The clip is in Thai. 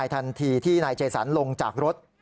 ทันทีที่นายเจสันลงจากรถ